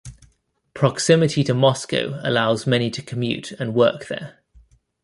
Proximity to Moscow allows many to commute and work there.